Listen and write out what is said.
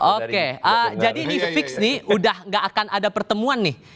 oke jadi ini fix nih udah gak akan ada pertemuan nih